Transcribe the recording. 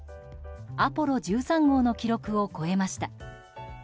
「アポロ１３号」の記録を超えました。